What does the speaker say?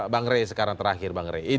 bang rey sekarang terakhir